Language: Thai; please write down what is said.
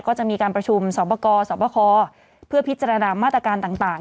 ก็จะมีการประชุมสอบประกอบสวบคเพื่อพิจารณามาตรการต่าง